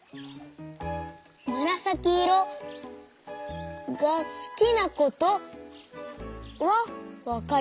むらさきいろがすきなことはわかりました。